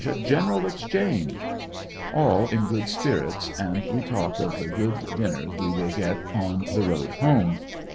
a general exchange I" All in good spirits and we t.ilk of the good d.nuers we will get on the road home.